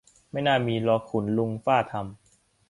ไม่น่ามี รอขุนลุงฟ่าทำ